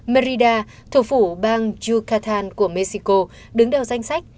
merida thủ phủ bang yucatan của mexico đứng đầu danh sách